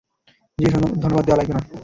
জ্বি, ধন্যবাদ দেয়া লাগবে না।